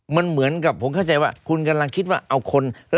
มันเหมือนกับผมเข้าใจว่า